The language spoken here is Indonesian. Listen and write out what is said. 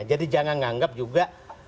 jadi jangan menganggap juga